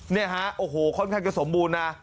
เนี่ยฮะโอ้โหค่อนข้างจะสมบูรณ์นะ